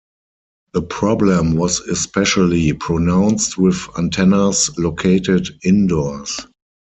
The problem was especially pronounced with antennas located indoors.